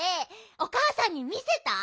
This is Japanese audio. おかあさんにみせた？